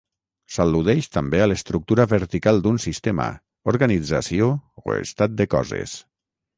S'al·ludeix també a l'estructura vertical d'un sistema, organització o estat de coses.